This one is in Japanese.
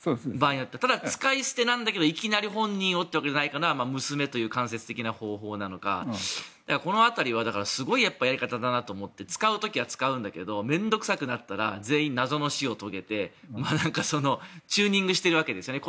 ただ、使い捨てなんだけどいきなり本人をというわけにはいかないから娘をという間接的な方法なのかこの辺りはすごいやり方だなと思って使う時は使うんだけど面倒くさくなったら全員、謎の死を遂げてチューニングしてるわけですよね。